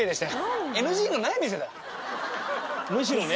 むしろね。